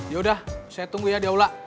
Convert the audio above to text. ya udah saya tunggu ya di aula